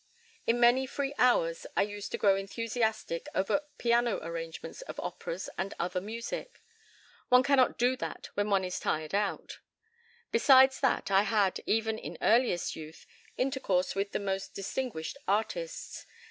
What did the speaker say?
In many free hours I used to grow enthusiastic over piano arrangements of operas and other music. One cannot do that when one is tired out. Besides that, I had, even in earliest youth, intercourse with the most distinguished artists.